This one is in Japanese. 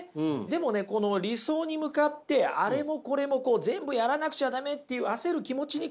でもねこの理想に向かってあれもこれも全部やらなくちゃ駄目っていう焦る気持ちに関してはね